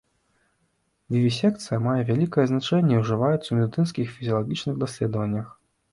Вівісекцыя мае вялікае значэнне і ўжываецца ў медыцынскіх і фізіялагічных даследаваннях.